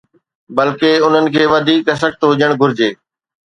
بلڪه، انهن کي وڌيڪ سخت هجڻ گهرجي.